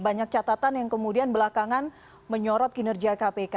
banyak catatan yang kemudian belakangan menyorot kinerja kpk